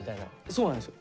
そうなんですよ。